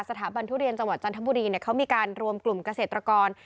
บททุเรียนจังหวัดจันทบุรีเขามีการรวมกลุ่มเกษตรกร